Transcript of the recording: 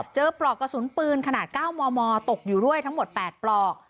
ปลอกกระสุนปืนขนาด๙มมตกอยู่ด้วยทั้งหมด๘ปลอก